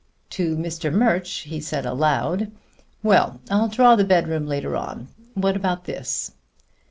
To Mr. Murch he said aloud: "Well, I'll draw the bedroom later on. What about this?"